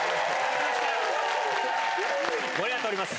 盛り上がっております。